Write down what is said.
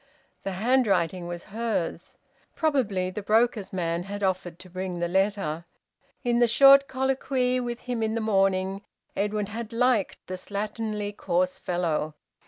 The handwriting was hers. Probably the broker's man had offered to bring the letter. In the short colloquy with him in the morning, Edwin had liked the slatternly, coarse fellow.